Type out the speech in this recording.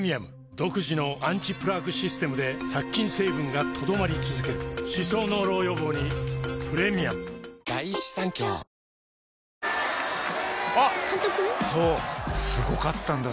独自のアンチプラークシステムで殺菌成分が留まり続ける歯槽膿漏予防にプレミアムうまいでしょふふふ